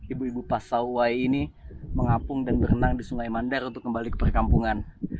ibu ibu pasawai ini mengapung dan berenang di sungai mandar untuk kembali ke perkampungan